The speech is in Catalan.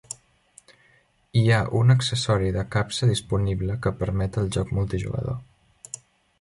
Hi ha un accessori de capsa disponible que permet el joc multi-jugador.